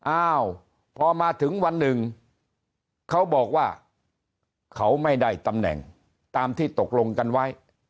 อ้าวพอมาถึงวันหนึ่งเขาบอกว่าเขาไม่ได้ตำแหน่งตามที่ตกลงกันไว้